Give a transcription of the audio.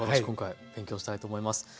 今回勉強したいと思います。